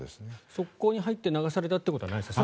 側溝に入って流されたということはないんですか？